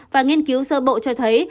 và nghiên cứu sơ bộ cho thấy